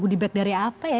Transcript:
goodie bag dari apa ya